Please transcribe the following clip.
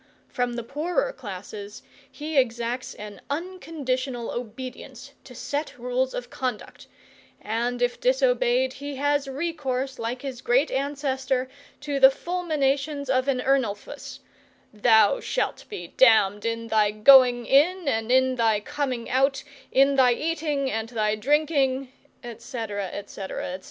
From the poorer classes he exacted and unconditional obedience to set rules of conduct, and if disobeyed he has recourse, like his great ancestor, to the fulminations of an Ernulfus: 'Thou shalt be damned in thy going in and in thy coming out in thy eating and thy drinking,' &c &c &c.